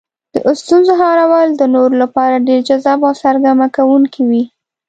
د ستونزو هوارول د نورو لپاره ډېر جذاب او سرګرمه کوونکي وي.